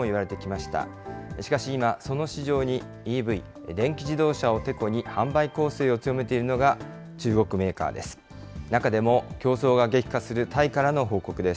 しかし、今、その市場にＥＶ・電気自動車をてこに販売攻勢を強めているのが、中国メーカーです。